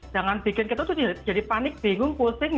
jangan bikin kita tuh jadi panik bingung pusing